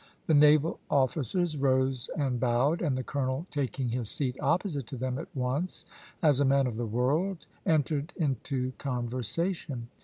The naval officers rose and bowed, and the Colonel taking his seat opposite to them at once, as a man of the world, entered into conversation.